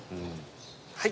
はい。